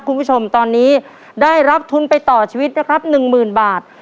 คุณผู้ชมตอนนี้ได้รับทุนไปต่อชีวิตนะครับหนึ่งหมื่นบาท